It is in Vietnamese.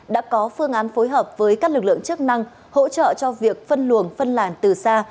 đã có phương án phối hợp với các lực lượng chức năng hỗ trợ cho việc phân luồng phân làn từ xa